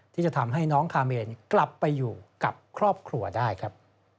ที่จะทำให้น้องคาเมนกลับไปอยู่กับครอบครัวได้ครับ